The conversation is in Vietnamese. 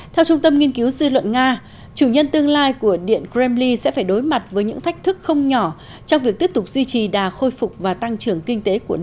theo trung tâm nghiên cứu dư luận nga chủ nhân tương lai của điện kremli sẽ phải đối mặt với những thách thức không nhỏ trong việc tiếp tục duy trì đà khôi phục và tăng trưởng kinh tế của nước này